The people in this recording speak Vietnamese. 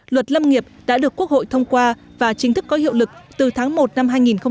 luật lâm nghiệp đã được quốc hội thông qua và chính thức có hiệu lực từ tháng một năm hai nghìn hai mươi